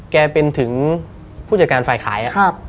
แกเป็นถึงผู้จัดการฝ่ายขาย